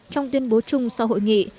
trong tuyên bố chung sau hội nghị